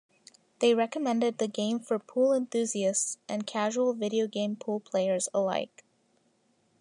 They recommended the game for pool enthusiasts and casual video game pool players alike.